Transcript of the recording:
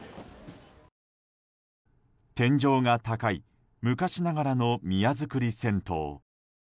天井が高い昔ながらの宮造り銭湯。